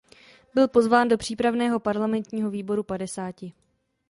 Byl pozván do přípravného parlamentního "Výboru padesáti".